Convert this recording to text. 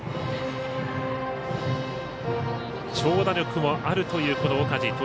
長打力もあるという岡治。